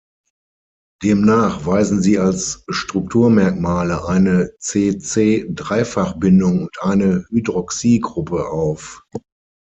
Demnach weisen sie als Strukturmerkmale eine C≡C-Dreifachbindung und eine Hydroxygruppe auf.